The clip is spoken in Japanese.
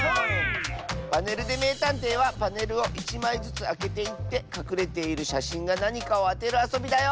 「パネルでめいたんてい」はパネルを１まいずつあけていってかくれているしゃしんがなにかをあてるあそびだよ！